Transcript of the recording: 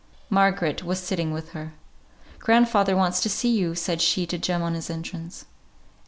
Margaret was sitting with her. "Grandfather wants to see you!" said she to Jem on his entrance.